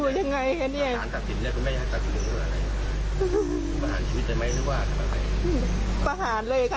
ประหารเลยค่ะ